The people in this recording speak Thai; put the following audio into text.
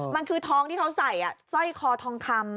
มันคือทองที่เขาใส่สร้อยคอทองคำ